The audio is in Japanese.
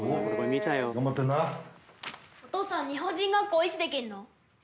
「お父さん日本人学校いつできんの？」